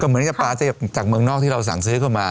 เหมือนกับปลาจากเมืองนอกที่เราสั่งซื้อเข้ามา